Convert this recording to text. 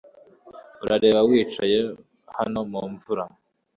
Urareba wicaye hano mu mvura